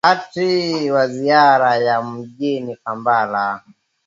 wakati wa ziara yake mjini kampala